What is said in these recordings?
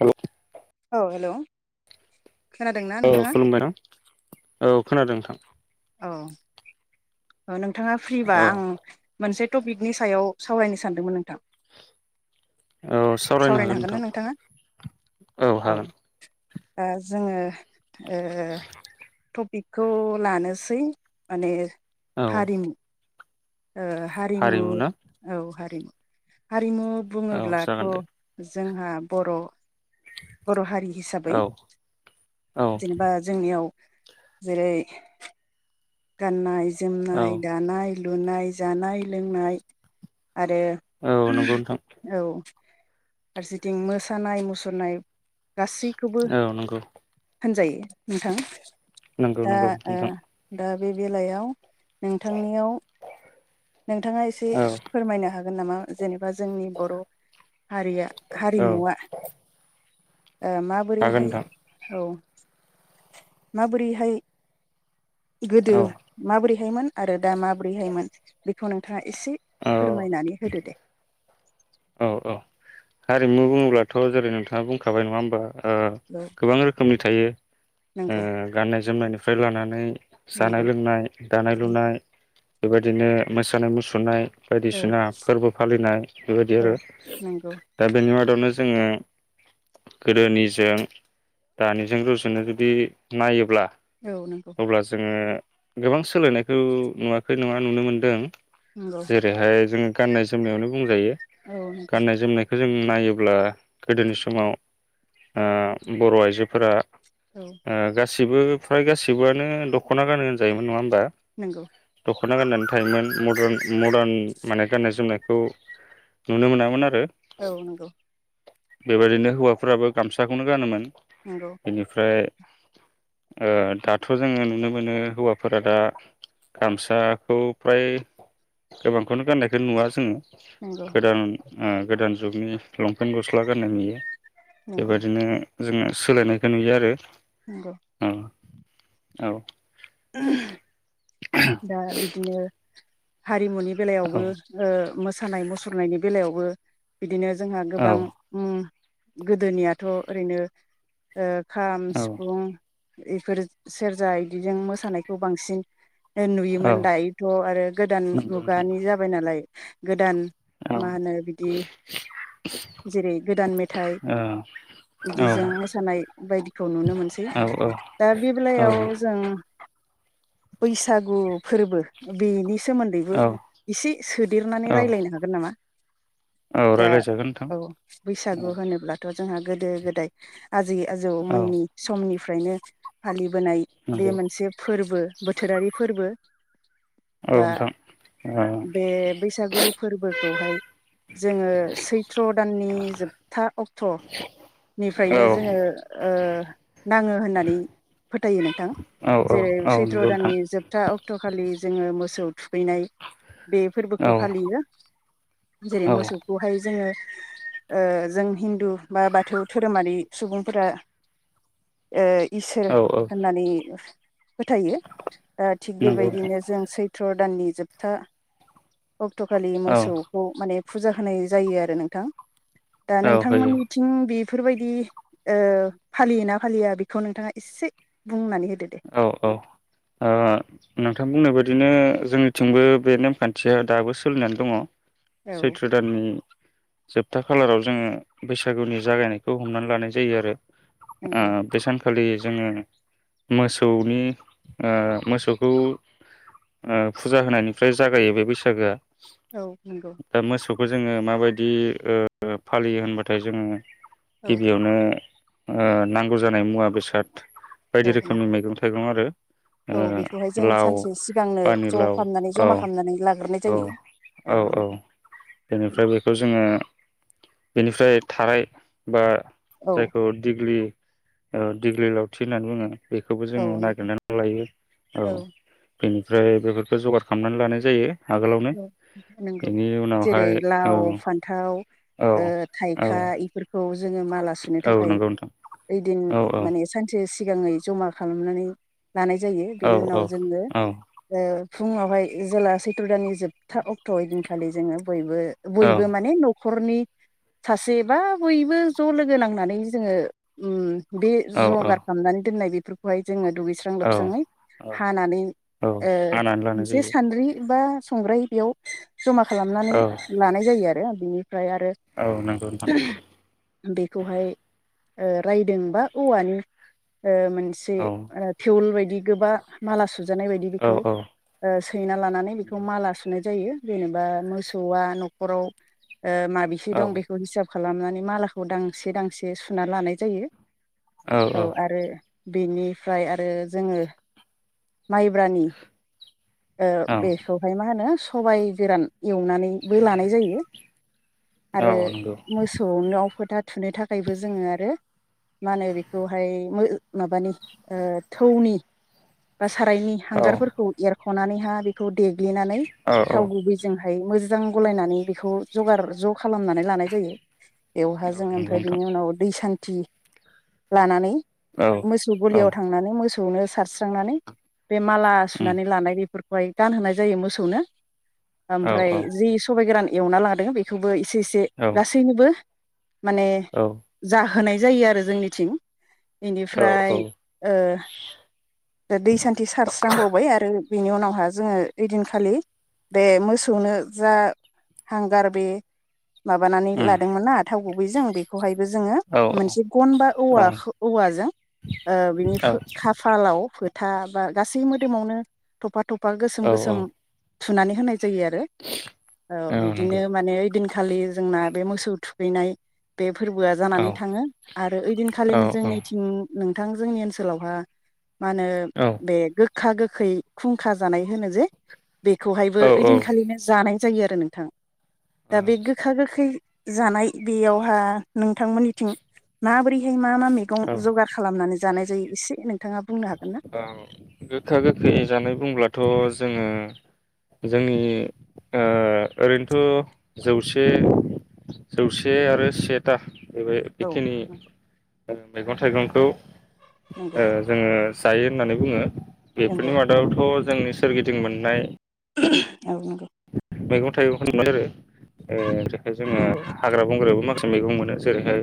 औ औ हेलौ' खोनादोंना औ नोंथाङा खुलुमबाय ना औ। खोनादों नोंथां औ औ नों नोंथाङा फ्रिबा औ आं मोनसे टपिकनि सायाव सावरायनो सानदोंमोन नोंथां। औ सावरायनो हागोन नोंथां औ हागोन। ओ जोङो ओ तपिक खौ लानो सै माने औ हारिनि ओ हारिमु औ हारि हारिमु औ बुङोब्लाथ' जागोन दे जोंहा बर' बर' हारि हिसाबै औ औ जेनेबा जोंनियाव जेरै गाननाय औ जोमनाय दानाय लुनाय जानाय लोंनाय आरो औ नंगौ [unintelligible] नोंथां औ फारसेथिं मोसानाय मुसुरनाय गासैखौबो। औ नंगौ होनजायो नोंथां नंगौ दा नंगौ ओ नोंथां दा बे बेलायाव नोंथांनियाव नोंथाङा एसे औ फोरमायनो हागोन नामा? [unintelligible] बा जोंनि बर' हारिया औ हारिमुआ ओ हागोन माबोरैहाय नोंथां औ माबोरैहाय? गोदो औ माबोरै हायोमोन आरो दा माब्रैहायमोन बेखौ नोंथाङा एसे औ फोरमायनानै होदो दे। औ औ हारिमु बुङोब्लाथ' जेरै नोंथाङा बुंखाबाय नङा होमबा। ओ औ गोबां रोखोमनि थायो। ओ नंगौ गाननाय जोमनायनि फ्राय लानानै जानाय नंगौ लोंनाय दानाय लुनाय बेबायदिनो मोसानाय मुसुरनाय औ बायदिसिना फोरबो फालिनाय बेबायदि औ आरो नंगौ दा बेनि मादावनो जोङो गोदोनिजों दानिजों रुजुनो जुदि नायोब्ला औ नंगौ अब्ला जोङो गोबां सोलायनायखौ नुवाखै नङा नुनो मोनदों। नंगौ जेरैहाय जों गाननाय जोमनायावनो बुंजायो औ नंगौ गाननाय जोमनायखौ जों नायोब्ला गोदोनि समाव ओ बर' आइजोफोरा ओ गा गासिबो फ्राय गासिबोआनो दख'ना गानो होनजायोमोन नङा होम बा नंगौ दख दख'ना गाननानै थायोमोन मदार्न मदार्न माने गाननाय जोमनायखौ नुनो मोनामोन आरो औ नंगौ बेबायदिनो हौवाफोराबो गामसाखौनो गानोमोन नंगौ बेनिफ्राय ओ दाथ जोङो नुनो मोनो हौवाफोरा दा गामसाखौ फ्राय गोबांखौनो गाननायखौ नुवा जोङो नोंगौ गोदान ओ गोदान जुगनि लंपेन्ट गस्ला गाननाय नुयो नंगौ बेबायदिनो जोङो सोलायनायखौ नुयो आरो नंगौ औ [inaudible] दा बिदिनो हारिमुनि औ बेलायावबो ओ मोसा मोसानाय मुसुरनायनि बेलायावबो बिदिनो जोंहा औ गोबां उम गोदोनियाथ ओरैनो ओ खाम औ सिफुं इफोर सेरजा इदिजों मोसानायखौ बांसिन औ नुयोमोन दायोथ आरो गोदान नंगौ नोंथां मुगानि जाबाय नालाय गोदान औ मा होनो बिदि जेरै गोदान मेथाइ औ बिदि औ औ जों मोसानाय बायदिखौ नुनो मोनसै दा बे बेलायाव जों बैसो बैसागु फोरबो बेनि सोमोन्दैबो औ एसे सोदेरनानै औ रायलायनो हागोन नामा औ दा रायलायजागोन नोंथां औ औ बैसागु होनोब्ला थ जोंहा गोदो गोदाय आजै औ आजौमोननि समनि फ्रायनो फालि बोनाय बे नंगौ मोनसे फोरबो बोथोरारि बो औ दा नोंथां औ बे बैसागु फोरबोखौहाय जोङो सैथ्र दाननि जोबथा अक्टनिफ्रायनो जोङो ओ नाङो होननानै फोथायो नोंथां औ जेरै औ सैत्र नंगौ नोंथां दाननि जोब था अक्टखालि जोङो मोसौ थुखैनाय बे औ फोरबोखौ फालियो जेरै औ मोसौखौहाय जोङो ओ जों हिन्दु बा बाथौ धोरोमारि सुबुंफोरा ओ इसोर औ होननानै फोथायो दा थिग नंगौ बेबायदिनो जों सैथ्र' दाननि जोबथा अक्ट'खालि नोंथां औ मोसौखौ माने फुजा होनाय जायो आरो नोंथां । दा औ होयो नोंथांमोननिथिं बि फोरबायदि ओ फालियोना फालिया बेखौ नोंथाङा एसे बुंनानै हो औ औ ओ नोंथां बुंनाय बायदिनो जोंनिथिंबो बे नेमखान्थिया दाबो सोलिनानै दङ' । औ सैथ्र' दाननि जोबथा खालाराव जोङो बैसागुनि जागायनायखौ हमनानै लानाय जायो आरो ओ नंगौ बे सानखालि खालि जोङो मोसौनि ओ मोसौखौ ओ फुजा होनायनिफ्राय जागायो बे बैसागुआ । औ नंगौ खौ जोङो माबायदि ओ फालियो होनबाथाय जोङो औ गिबियावनो ओ नांगौ जानाय मुवा बेसाद औ बायदि रोखोमनि नंगौ मेगं थाइगं आरो औ बेखौहाय ओ जों लाव सानसे सिगांनो ज' पानिलाव खालामनानै औ जमा खालामनानै लाग्रोनाय औ जायो औ औ बेनिफ्राय बेखौ जोङो बेनिफ्राय थाराय बा औ जायखौ दिग्लि औ दिग्लि लावथि होननानै बुङो बेखौबो औ जोङो नंगौ नागिरनानै लायो औ बेनिफ्राय बेफोरखौ जगार खालामनानै लानाय जायो आगोलावनो औ नंगौ बेनि जेरै उनावहाय औ लाव फान्थाव औ ओ औ थाइखा इफोरख जोङो माला सुनो औ थाखाय नंगौ नोंथां ओइदिन औ औ माने सानसे सि सिगाङै जमा खालामनानै लानाय जायो औ बिनि औ उनाव जोङो औ ओ फुङावहाय जेला सैत्र' दानि ज जोबथा अक्ट' ओइदिनखालि जोङो बयबो औ बयबो माने नख ख'रनि सासे बा बयबो ज' लोगो नांनानै जोङो ओम बे औ जगार खालामनानै दोननाय बे फोरखौहाय जोङो दुगैस्रां औ लोबस्राङै औ हानानै औ ओ हानानै लानाय मोनसे जायो सान्द्रि बा संग्राय बेयाव जमा खालामनानै औ लानाय जायो आरो। बिनि फ्राय आरो औ नंगौ नोंथां बेखौहाय ओ रायदोंबा औवानि ओ मोनसे औ ओ थेवोल बायदि गोबा माला सुजानाय बायदि औ बेखौ औ ओ सैना लानानै सुनाय जायो जेनेबा मोसौआ न'खराव ओ माबेसे दं बेखौ हिसाब खालामनानै मालाखौ दांसे-दांसे सुना लानाय जायो। औ औ-औ। आरो बेनिफ्राय आरो जोङो माइब्रानि ओ औ बे होनो सबाइ गोरान एवनानैबो लानाय जायो औ नंगौ थुनो थाखायबो जोङो आरो मा होनो बेखौहाय मो माबानि थौनि बास सारायनि औ हांगारफोरखौ एर खनानै हा बेखौ देनानै औ औ थाव गुबैजोंहाय मोज जां गलायनानै बेखौ जगार ज' खालामनानै लानाय जायो बेवहा जों नंगौ ओमफ्राय बिनि नोंथां उनाव दै सान थि लानानै। औ मोसौ औ गलियाव थांनानै मोस सौनो सारस्रांनानै बे माला उम सुनानै लानाय बेफोरख हाय गानहोनाय जायो मोसौनो। औ ओमफ्राय औ जि सबाइ गोरान एवना लादों बेखौबो एस-एसे औ गासैनोबो माने औ जा होनाय जायो आरो जोंनिथिं। औ बेनिफ्राय ओ दा दै सान्थि सारस्रांबावबाय आरो । बिनि उनावहाय जोङो ओइदिनखालि बे मोसौनो जा हांगार बे माबानानै उम लादोंमोन ना थाव गुबैजों बेखौहायबो जोङो औ मोनसे गन बा औवा औवाजों ओ बिनि खाफालाव फोथ था बा गासै मोदोमावनो थफा-थफ बा औ गोसोम गोसोम थुनानै होनाय जायो आरो ओ औ बिदिनो नंगौ माने ओइदिन खालि जोंना बे मोसौ थुखैनाय बे फोरबोआ जानानै औ थाङो आरो औ ओइदिनखालिनो औ जोंनिथिं। नोंथां जोंनि ओनसोलावहा मा होनो औ बे गो गोखा गोखै खुं खा जानाय होनो जे बेखौहायबो औ ओइदिनखालिनो जानाय जायो आरो नोंथां। दा बे गोखा गोखै जानाय बेयावहा नोंथांमोननिथिं माबोरैहाय? मा-मा मैगं जगार खालामनानै जानाय जायो एसे नो। ओं गोखा गोखै जानाय बुंब्ला थ जोङो जोंनि ओ ओरैनोथ जौसे-जौसे आरो सेथा बे औ बेखिनि नंगौ ओं मैगं थाइगंखौ ओ नोंगौ जोङो जायो होननानै बुङो बेेफोरनि मादावथ जोंनि सोरगिदिं मोननाय [inaudible] [unintelligible] आरो ए जेखो जोङो नंगौ हाग्रा बंग्रायाबो माखा मैगं मोनो जेरैहाय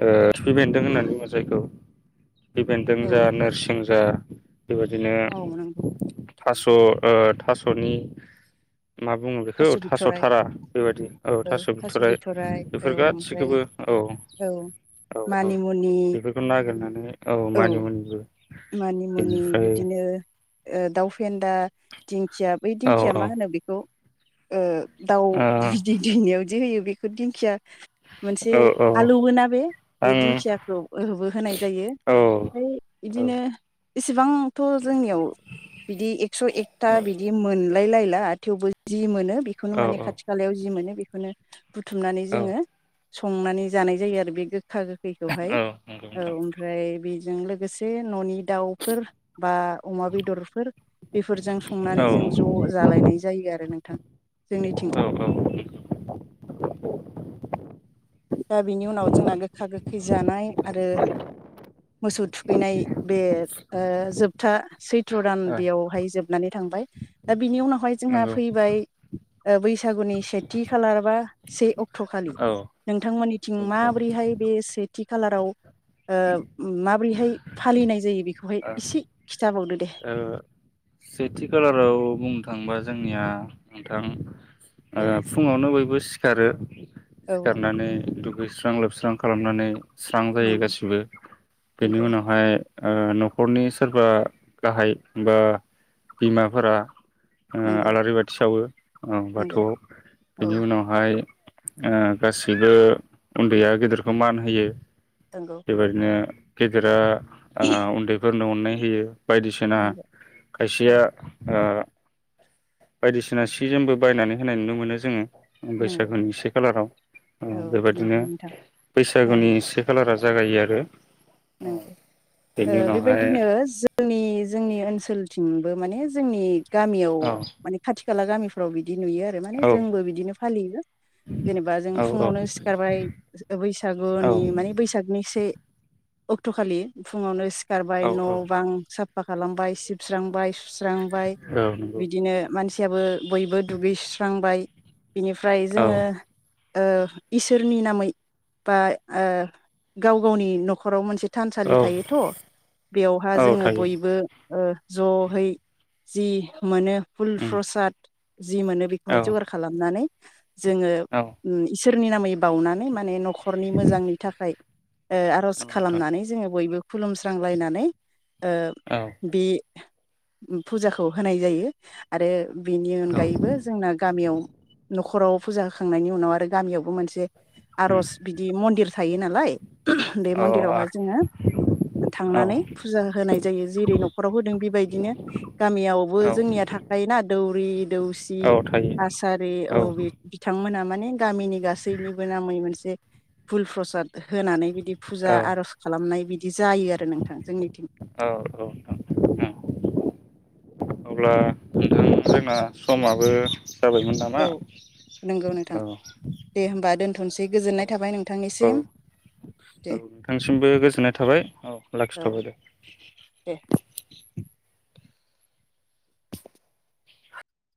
ओ थुफि बेन्दों होननानै नंगौ बुङो जायखौ [unintelligible] औ जा नोरसिं जा बेबादिनो औ नंगौ थास' ओ थास'नि मा बुङो बेखौ थास' थारा बेबादि औ थास' बिथ'राइ बेफोर गासिखोबो औ औ औ औ मानिमुनि बेफोरखौ नागिरनानै औ मानिमुनि मानि मुनि बिदिनो ओ दाउ फेन्दा दिं खिया बै औ दिंखिया औ ओ मा होनो बेखौ ओ दाउ बिदै दैनायाव जि होयो बेखो दिंखिया मोनसे औ औ आलौगोना बे बे आं दिंखियाखौ ओहोबो होनाय जायो औ ओमफाय औ बिदिनो इसेबां थ' जोंनियाव बिदि एकस' एकथा बिदि मोन लाय लायला आ थेवबो जि मोनो बेखोनो औ माने औ खाथि खालायाव जि मोनो बिखौनो बुथुमनानै औ जोङो संनानै जानाय जायो आरो बे गो खा गोखैखौहाय नंगौ औ नोंथां ओमफ्राय बि जों लोगोसे जे न'नि दाउफोर बा अमा बेदरफोर बेफोरजों औ संनानै जों ज' जालायनाय जायो आरो नोंथां जोंनिथिं। औ दा बिनि उनाव जोंना गोखा गोखै जानाय आरो मोसौ थुखैनाय बे ओ जोबथा सैथ्र' दान औ बेयावहाय जोबनानै थांबाय दा बिनि उनावहाय जोंहा नंगौ औ फैबाय ओ बैसागुनि सेथि खालार बा से अक्ट'खालि। औ ओ नोंथांमोननिथिं माबोरैहाय बे सेथि खालाराव ओ मा बोरैहाय फालिनाय जायो? बेखौहाय ओ एसे खिथाबावदो दे ओ सेथि खालाराव बुंनो थांबा जोंनिया नोंथां ओ औ फुङावनो बयबो सिखारो औ सिखारनानै दु गैस्रां लोबस्रां खालामनानै स्रां जायो नंगौ गासिबो बेनि नंगौ उनावहाय ओ न खरनि सोरबा गाहाय बा बिमाफोरा ओ नंगौ आलारि बाथि सावो औ नंगौ बाथौआव बेनि औ उनावहाय ओ गासैबो उन्दैया गेदेरखौ मान होयो नंगौ बेबायदिनो गेदेरा आ उन्दै फोरनो अनाय होयो बायदिसिना नंगौ खायसेया ओ बायदिसिना सि जोमबो बायनानै होनाय नुनो मोनो जोङो उम नंगौ बैसागुनि से खालाराव ओ औ बेबादिनो नंगौ नोंथां ओ बैसागुनि से खालारा जागायो आरो नंगौ ओ बेनि उनावहाय बेबायदिनो जोंनि-जोंनि ओनसोलथिंबो माने जोंनि गामियाव औ माने खाथि खाला गामिफ्राव बि दि नुयो आरो माने औ जोंबो बिदिनो फालियो जेनेबा जों औ फुङावनो सिखारबाय औ बैसागुनि माने बैसागनि से अक्टखालि फुङावनो सि खारबाय औ न औ बां सा फा खालामबाय सिबस्रांबाय सु स्रांबाय औ नंगौ बिदिनो मानसि [unintelligible] बयबो दुगैस्रांबाय बिनिफ्राय औ जोङो ओ इसोरनि नामै बा ओ गाव गावनि नख राव मोनसे थानसालि औ थायोथ बेयावहा औ जोङो थायो बयबो ओ जहै जि मोनो फुल उम प्रसाद जि मोनो बेखौहाय औ जगार खालामनानै जोङो औ उम इस सोरनि नामै बावनानै माने न'खरनि मोजांनि थाखाय ओ नोंथां खालामनानै जोङो बयबो खुलुमस्रांलायनानै ओ औ बे फुजाखौ होनाय जायो आरो बेनि औ अनगायैबो जोंना गामियाव न'खराव फुजा होखांनायनि उनाव आरो गामियावबो मोनसे उम आर'ज बिदि मन्दिर थायो नालाय बे औ मन मन्दिरावहा आरो जोङो थांनानै औ फुजा होनाय जायो जेरै न'खराव होदों बेबायदिनो गामियावबो औ जोंनिया थाखायोना दौरि दौसि औ थायो आसारि औ बिथांमोना माने गामिनि गासिनिबो नामै मोनसे फुल प्रसाद होनानै बिदि फुजा औ औ आर'ज खालामनाय बिद दि जायो आरो नोंथां जोंनि औ औ उम। अब्ला नोंथां जोंना समाबो जाबायमोन नामा औ औ। थनसै गोजोननाय थाबाय नों औ, औ नोंथांसिमबो गोजोननाय थाबाय औ लाखिथ'बाय दे। दे